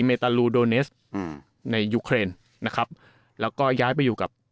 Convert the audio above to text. ตาลูโดเนสอืมในยูเครนนะครับแล้วก็ย้ายไปอยู่กับ